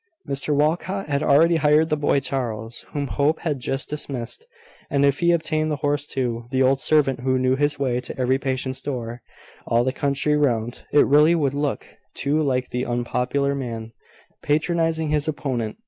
Mr Walcot had already hired the boy Charles, whom Hope had just dismissed; and if he obtained the horse too, the old servant who knew his way to every patient's door, all the country round it really would look too like the unpopular man patronising his opponent.